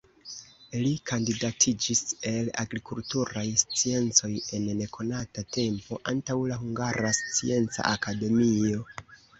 Li kandidatiĝis el agrikulturaj sciencoj en nekonata tempo antaŭ la Hungara Scienca Akademio.